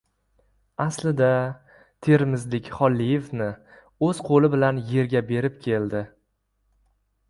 Aslida... termizlik Xolliyevni o‘z qo‘li bilan yerga berib keldi.